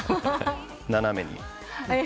斜めに。